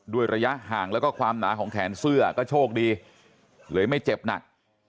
ระยะห่างแล้วก็ความหนาของแขนเสื้อก็โชคดีเลยไม่เจ็บหนัก